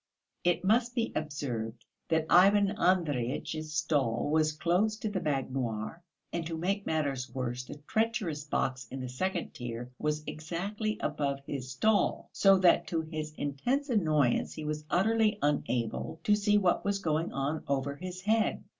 It must be observed that Ivan Andreyitch's stall was close to the baignoire, and to make matters worse the treacherous box in the second tier was exactly above his stall, so that to his intense annoyance he was utterly unable to see what was going on over his head.